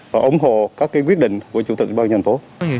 và ủng hộ các cái quyết định của chủ tịch địa bàn dành phố